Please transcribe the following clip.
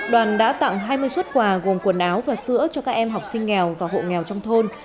đoàn đã tặng hai mươi xuất quà gồm quần áo và sữa cho các em học sinh nghèo và hộ nghèo trong thôn